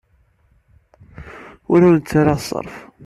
Ur awent-d-ttarraɣ ṣṣerf.